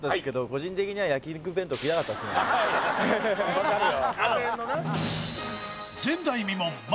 分かるよ